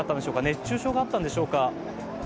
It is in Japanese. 熱中症があったんでしょうか。